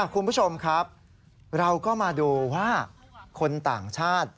คุณผู้ชมครับเราก็มาดูว่าคนต่างชาติ